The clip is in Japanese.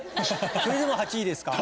それでも８位ですか？